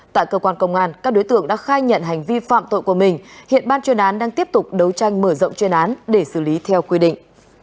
tại cơ quan công an các đối tượng đã khai nhận hành vi phạm tội của mình hiện ban chuyên án đang tiếp tục đấu tranh mở rộng chuyên án để xử lý theo quy định